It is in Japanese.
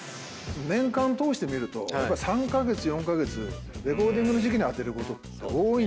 年間通して見ると３カ月４カ月レコーディングの時期に充てること多いんですね。